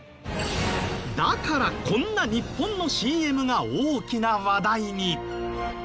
だからこんな日本のＣＭが大きな話題に！